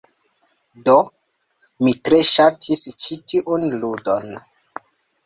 Do. Mi tre ŝatis ĉi tiun ludon.